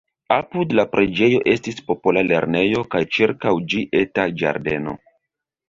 Apud la preĝejo estis popola lernejo kaj ĉirkaŭ ĝi eta ĝardeno.